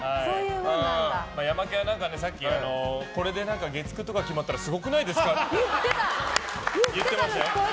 ヤマケンは何かさっきこれで月９とか決まったらすごくないですかって言ってましたよ。